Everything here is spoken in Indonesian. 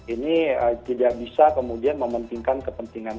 ini tidak bisa kemudian mementingkan kepentingan